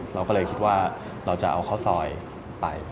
เราก็เลยคิดว่าเราจะเอาข้าวซอยไป